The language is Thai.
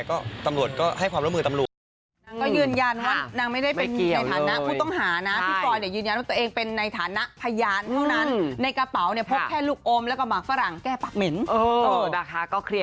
ก็ตำรวจก็ให้ความร่วมมือตำรวจ